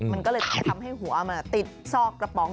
มันก็เลยทำให้หัวมันติดซอกกระป๋อง